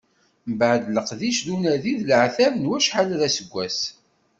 Mbeɛd leqdic d unadi d leɛtab n wacḥal d aseggas.